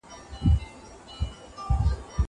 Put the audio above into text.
زه پرون کتاب ولوست!